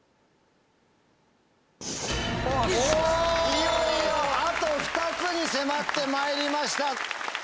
いよいよあと２つに迫ってまいりました。